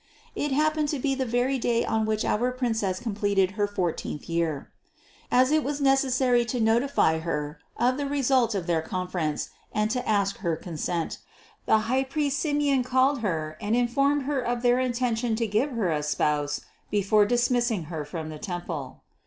It happened to be the very day on which our Princess com pleted her fourteenth year. As it was necessary to notify Her of the result of their conference and to ask Her consent, the highpriest Simeon called Her and in formed her of their intention to give Her a spouse be fore dismissing Her from the temple.